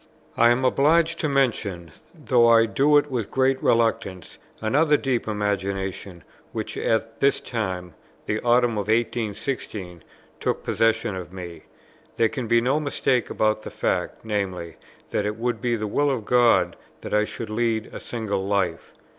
I am obliged to mention, though I do it with great reluctance, another deep imagination, which at this time, the autumn of 1816, took possession of me, there can be no mistake about the fact; viz. that it would be the will of God that I should lead a single life.